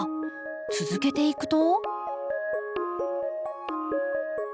続けていくと。